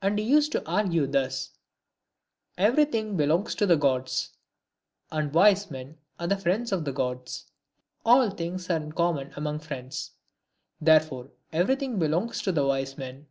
And he used to argue thus, —" Everything belongs to the gods ; and wise men are the friends of the gods. All things are in common among friends ; therefore everything belongs to wise men."